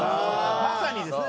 まさにですね。